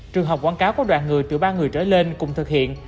trường học quảng cáo có đoạn người từ ba người trở lên cùng thực hiện